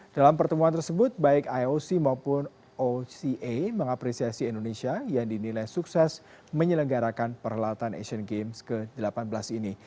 dalam pertemuan tersebut baik ioc maupun oca mengapresiasi indonesia yang dinilai sukses menyelenggarakan perhelatan asian games ke delapan belas ini